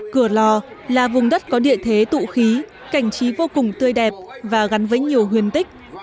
cửa lò là vùng đất có địa thế tụ khí cảnh trí vô cùng tươi đẹp và gắn với nhiều huyền tích